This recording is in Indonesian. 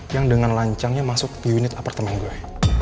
yang dengan lancangnya masuk ke unit apartemen gue